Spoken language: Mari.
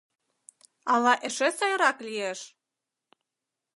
— Ала эше сайрак лиеш?